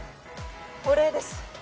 お礼です。